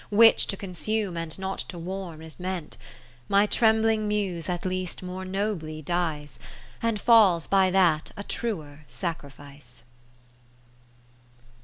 Which to consume, and not to warm, is meant ; My trembling Muse at least more nobly dies. And falls by that a truer sacri fice.